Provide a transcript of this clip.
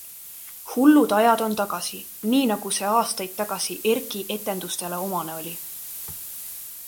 Hullud ajad on tagasi, nii nagu see aastaid tagasi ERKI etendustele omane oli!